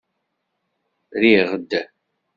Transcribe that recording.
Rriɣ-d.